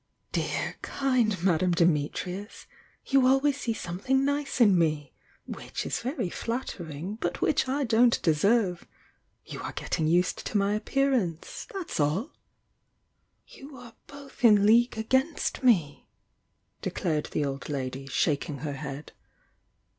"Dear, kind Madame Dimitri" — you always see something nice m me!— which is very flattering but which I don t deserve! You are getting used to my appear "You are both in league against me!" declared the old lady, shaking her head.